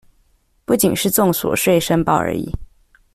不僅是綜所稅申報而已